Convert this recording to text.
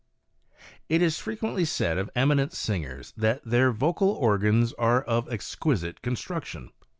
: "It is frequently said of eminent singers, that 'their vocal organs are of exquisite construction.'